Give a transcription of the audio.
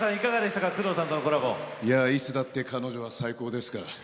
いやいつだって彼女は最高ですから。